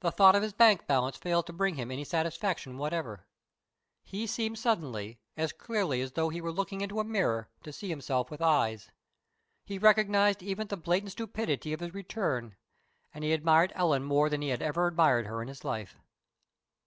The thought of his bank balance failed to bring him any satisfaction whatever. He seemed suddenly, as clearly as though he were looking into a mirror, to see himself with eyes. He recognized even the blatant stupidity of his return, and he admired Ellen more than he had ever admired her in his life.